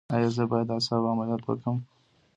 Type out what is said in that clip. ایا زه باید د اعصابو عملیات وکړم؟